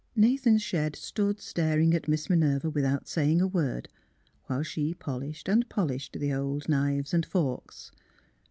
Nathan Shedd stood staring at Miss Minerva without saying a word, while she polished and pol ished the old knives and forks.